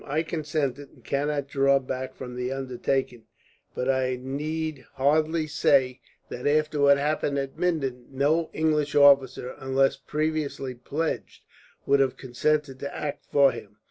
I consented, and cannot draw back from the undertaking; but I need hardly say that, after what happened at Minden, no English officer, unless previously pledged, would have consented to act for him.